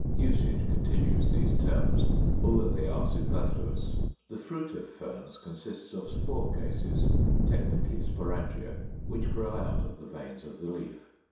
Usage continues these terms, although they are superfluous. The fruit of Ferns consists of SPORE CASES, technically SPORANGIA, which grow out of the veins of the leaf.